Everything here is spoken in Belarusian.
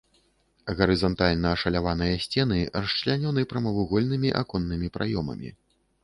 Гарызантальна ашаляваныя сцены расчлянёны прамавугольнымі аконнымі праёмамі.